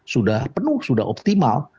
sudah penuh sudah optimal